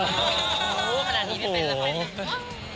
โอ้โฮขนาดนี้เป็นเป็นแล้วค่ะ